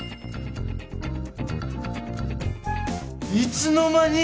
いつの間に！